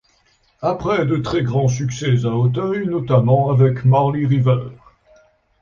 Après de très grands succès à Auteuil notamment avec Marly River.